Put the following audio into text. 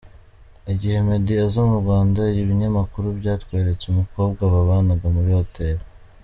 Igihe Meddy aza mu Rwanda, ibinyamakuru byatweretse umukobwa babanaga muli Hotel.